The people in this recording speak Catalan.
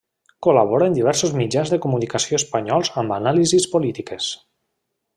Col·labora en diversos mitjans de comunicació espanyols amb anàlisis polítiques.